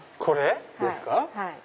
これですか？